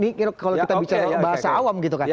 ini kalau kita bicara bahasa awam gitu kan